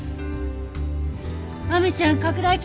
亜美ちゃん拡大鏡。